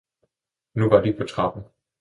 Nu var de på trappen.